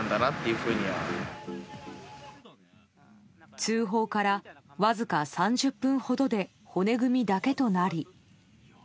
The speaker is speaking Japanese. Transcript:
通報からわずか３０分ほどで骨組みだけとなり。